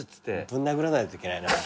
ぶん殴らないといけないな。